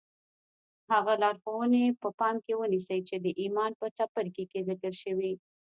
هغه لارښوونې په پام کې ونيسئ چې د ايمان په څپرکي کې ذکر شوې.